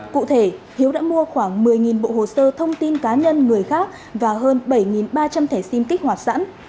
cụ thể hiếu đã mua khoảng một mươi bộ hồ sơ thông tin cá nhân người khác và hơn bảy ba trăm linh thẻ sim kích hoạt sẵn